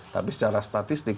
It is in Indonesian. tapi secara statistik